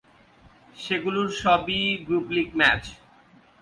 সেগুলোর সব ই গ্রুপ লীগ ম্যাচ।